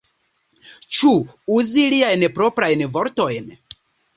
Ĉu uzi liajn proprajn vortojn?